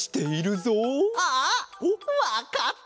あわかった！